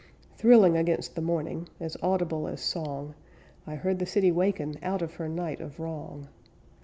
Thrilling against the morning, As audible as song, I heard the city waken Out of her night of wrong.